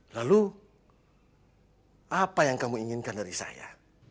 lalu apa yang kamu inginkan dari saya